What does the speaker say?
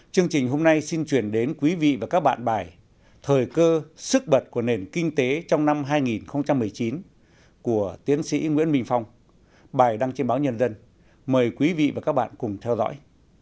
chương trình hôm nay xin chuyển đến quý vị và các bạn bài thời cơ sức bật của nền kinh tế trong năm hai nghìn một mươi chín của tiến sĩ nguyễn minh phong bài đăng trên báo nhân dân mời quý vị và các bạn cùng theo dõi